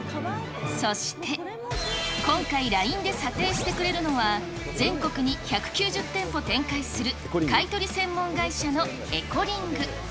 そして、今回、ＬＩＮＥで査定してくれるのは、全国に１９０店舗展開する買い取り専門会社のエコリング。